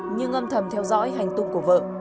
nhưng âm thầm theo dõi hành tục của vợ